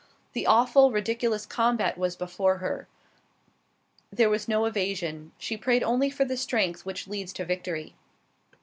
The awful, ridiculous combat was before her; there was no evasion; she prayed only for the strength which leads to victory.